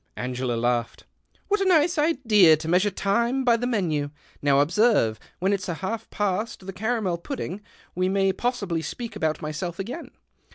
Angela laughed. " What a nice idea to measure time by the menu. Now observe, when it's half past the caramel pudding, we may possibly speak about myself again.